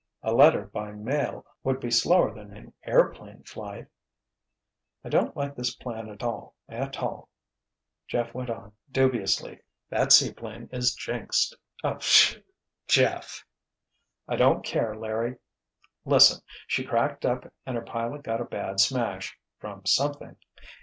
A letter, by mail, would be slower than an airplane flight! "I don't like this plan a tall, a tall," Jeff went on, dubiously. "That seaplane is jinxed." "Oh—pshaw, Jeff——" "I don't care, Larry. Listen—she cracked up and her pilot got a bad smash—from something!